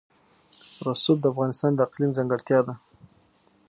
رسوب د افغانستان د اقلیم ځانګړتیا ده.